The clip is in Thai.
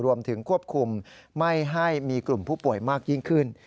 รวมถึงควบคุมไม่ให้มีกลุ่มผู้ป่วยมากยิ่งขึ้น